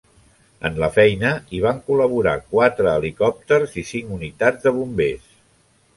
En la feina hi van col·laborar quatre helicòpters i cinc unitats de bombers.